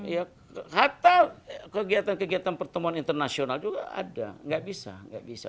ya kata kegiatan kegiatan pertemuan internasional juga ada nggak bisa nggak bisa